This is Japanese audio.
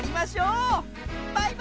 バイバーイ！